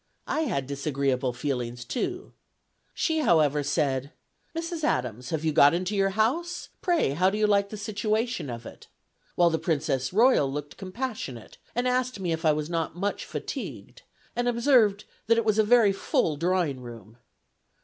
I had disagreeable feelings, too. She, however, said, 'Mrs. Adams, have you got into your house? Pray, how do you like the situation of it?' Whilst the Princess Royal looked compassionate, and asked me if I was not much fatigued; and observed, that it was a very full drawing room.